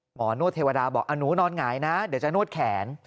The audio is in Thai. นวดเทวดาบอกหนูนอนหงายนะเดี๋ยวจะนวดแขน